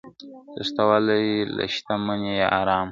تښتولی له شته منه یې آرام وو ..